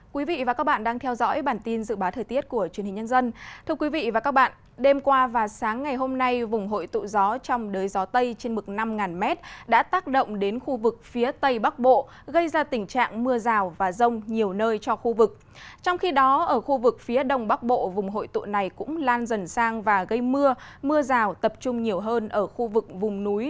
các bạn hãy đăng ký kênh để ủng hộ kênh của chúng mình nhé